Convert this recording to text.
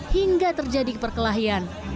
hingga terjadi perkelahian